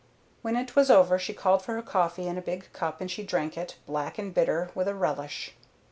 When it was over she called for her coffee in a big cup, and she drank it, black and bitter, with a relish.